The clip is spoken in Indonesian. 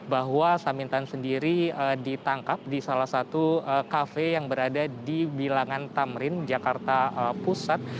bahwa samintan sendiri ditangkap di salah satu kafe yang berada di bilangan tamrin jakarta pusat